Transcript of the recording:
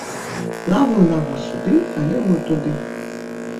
Правую нагу сюды, а левую туды.